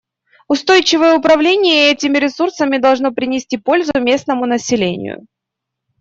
Устойчивое управление этими ресурсами должно принести пользу местному населению.